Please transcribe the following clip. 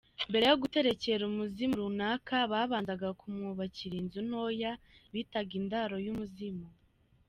Mbere yo guterekera umuzimu runaka, babanzaga kumwubakira inzu ntoya bitaga indaro y’umuzimu.